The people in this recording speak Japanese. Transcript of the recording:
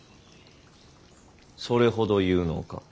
それほど有能か。